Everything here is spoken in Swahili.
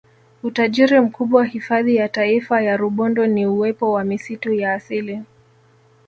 Utajiri mkubwa hifadhi ya Taifa ya Rubondo ni uwepo wa misitu ya asili